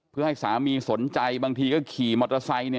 เพื่อให้สามีสนใจบางทีก็ขี่มอเตอร์ไซค์